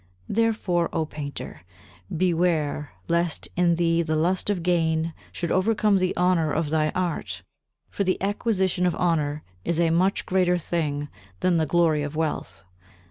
Therefore, O painter, beware lest in thee the lust of gain should overcome the honour of thy art, for the acquisition of honour is a much greater thing than the glory of wealth.